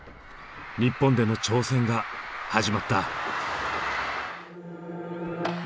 日本での挑戦が始まった。